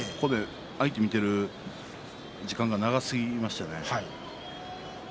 相手を見ている時間が長すぎましたよね。